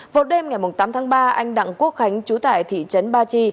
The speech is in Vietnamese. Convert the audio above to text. vào đêm ngày tám tháng ba anh đặng quốc khánh chú tại thị trấn ba chi